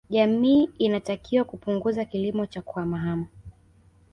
Jamii inatakiwa kupunguza kilimo cha kuhamahama